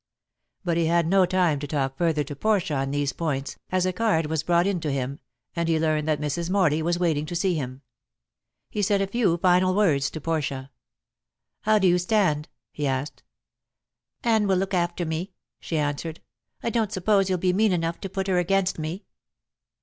But he had no time to talk further to Portia on these points, as a card was brought in to him, and he learned that Mrs. Morley was waiting to see him. He said a few final words to Portia. "How do you stand?" he asked. "Anne will look after me," she answered. "I don't suppose you'll be mean enough to put her against me."